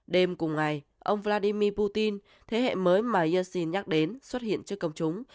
đêm cùng ngày ông vladimir putin thế hệ mới mà yassin nhắc đến xuất hiện trước công chúng